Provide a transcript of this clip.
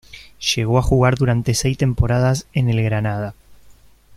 Llegó a jugar durante seis temporadas en el Granada.